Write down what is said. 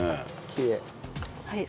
きれい！